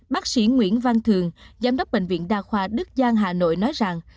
bác sĩ nguyễn văn thường giám đốc bệnh viện đa khoa đức giang hà nội nói rằng